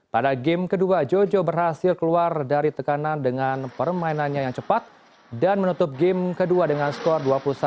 pada game kedua jojo berhasil keluar dari tekanan dengan permainannya yang cepat dan menutup game kedua dengan skor dua puluh satu